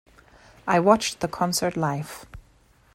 I watched the concert live.